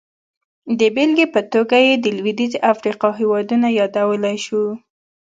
د بېلګې په توګه یې د لوېدیځې افریقا هېوادونه یادولی شو.